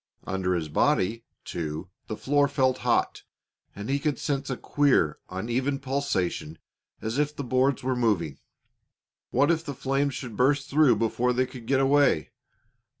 Under his body, too, the floor felt hot, and he could sense a queer, uneven pulsation as if the boards were moving. What if the flames should burst through before they could get away?